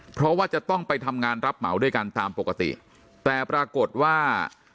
เพราะว่าจะต้องไปทำงานรับเหมาด้วยกันตามปกติแต่ปรากฏว่า